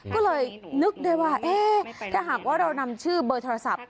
ก็เลยนึกได้ว่าเอ๊ะถ้าหากว่าเรานำชื่อเบอร์โทรศัพท์